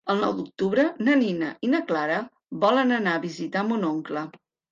El nou d'octubre na Nina i na Clara volen anar a visitar mon oncle.